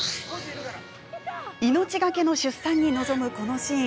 命懸けの出産に臨むこのシーン。